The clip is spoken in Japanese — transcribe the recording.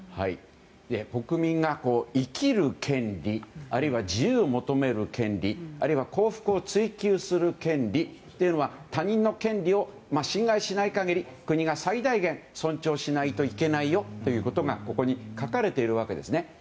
国民が生きる権利あるいは自由を求める権利あるいは幸福を追求する権利というのは他人の権利を侵害しない限り国が最大限尊重しないといけないよということがここに書かれているわけですね。